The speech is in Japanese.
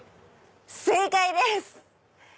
正解です！